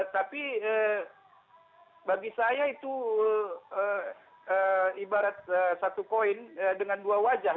tapi bagi saya itu ibarat satu koin dengan dua wajah